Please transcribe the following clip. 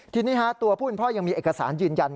ทีนี้ตัวผู้เป็นพ่อยังมีเอกสารยืนยัน